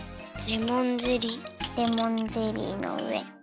レモンゼリーのうえ。